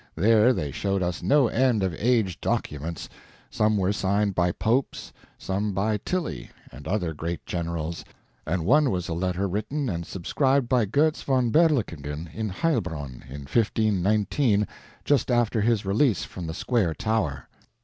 There they showed us no end of aged documents; some were signed by Popes, some by Tilly and other great generals, and one was a letter written and subscribed by Goetz von Berlichingen in Heilbronn in 1519 just after his release from the Square Tower.